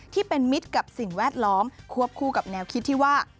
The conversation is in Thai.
ที่เป็นมิตรกับสิ่งแวดล้อมควบคู่กับแนวคิดที่ว่า